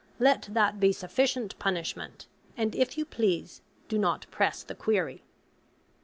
Let that be sufficient punishment; and, if you please, do not press the query.